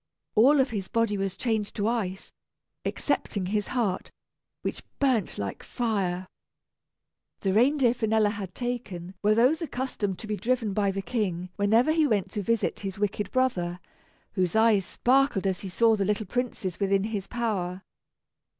All of his body was changed to ice, excepting his heart, which burnt like fire. The reindeer Finella had taken were those accustomed to be driven by the King whenever he went to visit his wicked brother, whose eyes sparkled as he saw the little princes within his power.